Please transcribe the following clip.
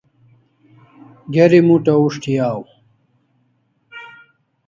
Geri mut'a ushti aw